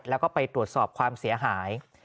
แล้วก็ไปตรวจสอบความเสียหาย